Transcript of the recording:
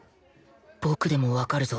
僕でもわかるぞ。